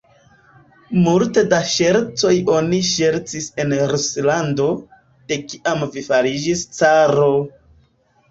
Multe da ŝercoj oni ŝercis en Ruslando, de kiam vi fariĝis caro!